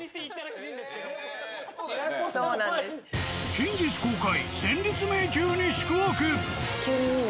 近日公開。